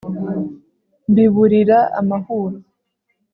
mbiburira amahuro